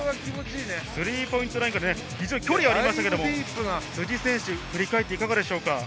スリーポイントラインから距離がありましたけれども振り返っていかがですか？